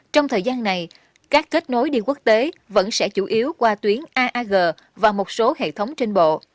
trong thời gian này các kết nối đi quốc tế vẫn sẽ chủ yếu qua tuyến aag và một số hệ thống trên bộ